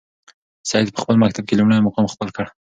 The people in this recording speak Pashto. سعید په خپل مکتب کې لومړی مقام خپل کړ.